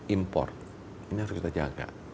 import ini harus kita jaga